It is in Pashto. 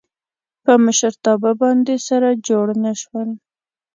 په مشرتابه باندې سره جوړ نه شول.